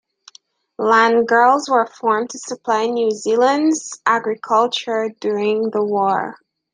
Land girls were formed to supply New Zealand's agriculture during the war.